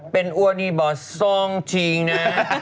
เป็นอันนี้บ่ส่องจริงนะ